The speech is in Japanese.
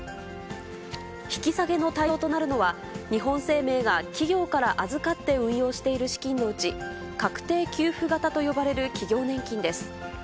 引き下げの対象となるのは、日本生命が企業から預かって運用している資金のうち、確定給付型と呼ばれる企業年金です。